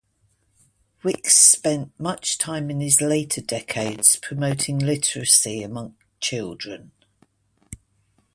Wicks spent much time in his later decades promoting literacy among children.